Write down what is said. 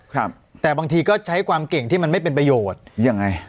ครับแต่บางทีก็ใช้ความเก่งที่มันไม่เป็นประโยชน์ยังไง